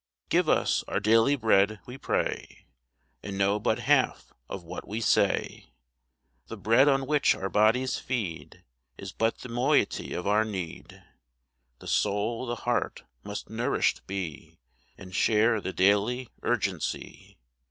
IVE us our daily bread," we pray, And know but half of what we say. The bread on which our bodies feed Is but the moiety of our need. The soul, the heart, must nourished be, And share the daily urgency.